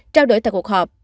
trao đổi tại cuộc họp